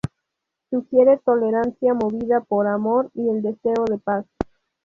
Sugiere tolerancia movida por amor y el deseo de paz.